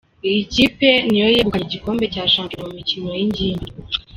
Iyi kipe ni yo yegukanye igikombe cya Shampiyona mu mikino y’ingimbi.